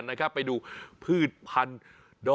สุดยอดน้ำมันเครื่องจากญี่ปุ่น